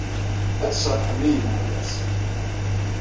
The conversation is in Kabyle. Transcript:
Ad d-tserrḥem i yimeḥbas.